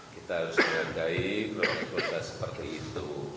kita harus melenggai proses seperti itu